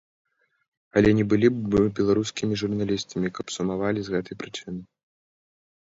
Але не былі б мы беларускімі журналістамі, каб сумавалі з гэтай прычыны.